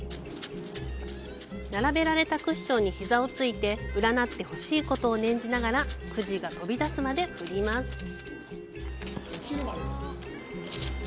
並べられたクッションに膝をついて、占ってほしいことを念じながらくじが飛び出すまで振ります。